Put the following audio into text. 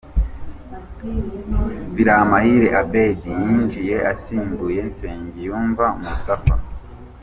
Biramahire Abeddy yinjiye asimbuye Nsengiyumva Moustapha